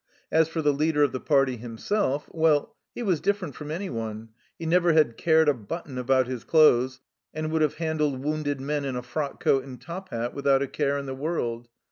As for the leader of the party himself, well, he was different from anyone ; he never had cared a button about his clothes, and would have handled wounded men in a frock coat and top hat without a care in the world.